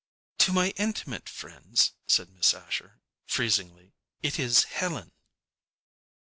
"To my intimate friends," said Miss Asher, freezingly, "it is 'Helen.